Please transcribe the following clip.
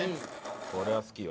これは好きよ。